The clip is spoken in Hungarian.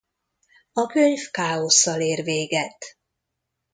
A könyv káosszal ér véget.